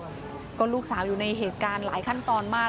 ก็ลูกสาวอยู่ในเหตุการณ์หลายขั้นตอนมาก